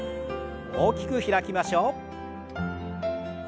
大きく開きましょう。